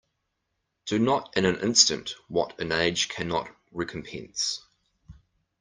Do not in an instant what an age cannot recompense.